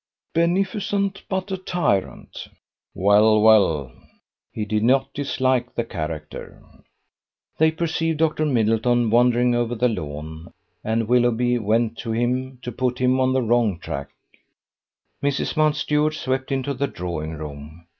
"Beneficent, but a tyrant!" "Well, well." He did not dislike the character. They perceived Dr. Middleton wandering over the lawn, and Willoughby went to him to put him on the wrong track: Mrs. Mountstuart swept into the drawing room.